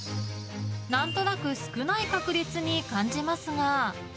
何となく少ない確率に感じますが。